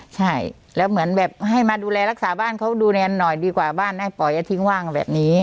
ใช่แล้วเหมือนแบบให้มาดูแลรักษาบ้านเขาดูแนนหน่อยดีกว่าบ้านให้ปล่อยทิ้งว่างแบบนี้